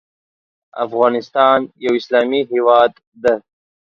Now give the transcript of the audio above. افغانستان یو اسلامې هیواد ده